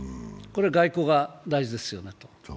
これは外交が大事ですよなと。